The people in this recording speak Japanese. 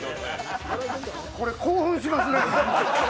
これ興奮しますね。